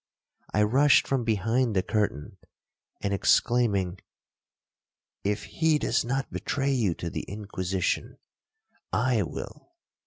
I rushed from behind the curtain, and exclaiming, 'If he does not betray you to the Inquisition, I will.'